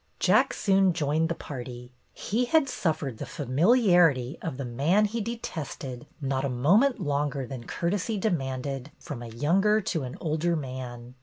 Jack soon joined the party. He had suffered the familiarity of the man he detested not a moment longer than courtesy demanded from a younger to an older man.